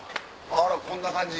あらこんな感じ。